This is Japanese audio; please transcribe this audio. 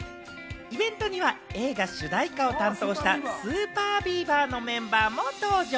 イベントには映画主題歌を担当したＳＵＰＥＲＢＥＡＶＥＲのメンバーも登場。